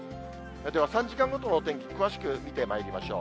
では３時間ごとの天気、詳しく見てまいりましょう。